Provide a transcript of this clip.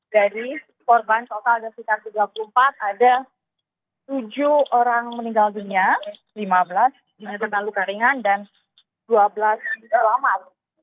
jadi korban total ada sekitar tiga puluh empat ada tujuh orang meninggal dunia lima belas dengan luka ringan dan dua belas selamat